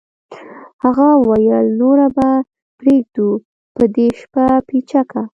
هغه وویل نوره به پرېږدو په دې شپه پیچکه